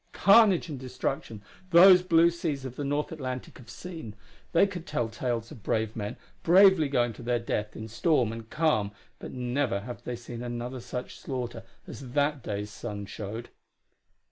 Carnage and destruction, those blue seas of the north Atlantic have seen; they could tell tales of brave men, bravely going to their death in storm and calm but never have they seen another such slaughter as that day's sun showed.